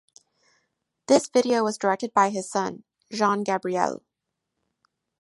This video was directed by his son Jean Gabriel.